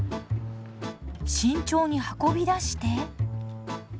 慎重に運び出して。